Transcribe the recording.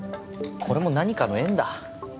これも何かの縁だ。